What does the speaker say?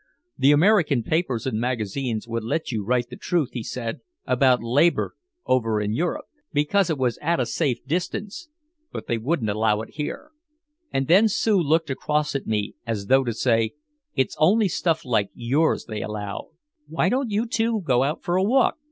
The American papers and magazines would let you write the truth, he said, about labor over in Europe, because it was at a safe distance. But they wouldn't allow it here. And then Sue looked across at me as though to say, "It's only stuff like yours they allow." "Why don't you two go out for a walk?"